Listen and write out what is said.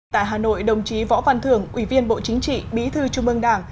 tại hà nội đồng chí võ văn thưởng ủy viên bộ chính trị bí thư trung ương đảng